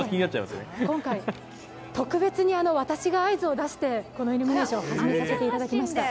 今回、特別に私が合図を出して、このイルミネーション始めさせていただきました。